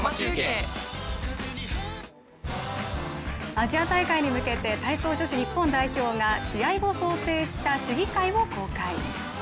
アジア大会に向けて、体操女子ニッポン代表が試合を想定した試技会を公開。